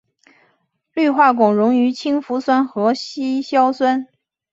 氟化汞溶于氢氟酸和稀硝酸。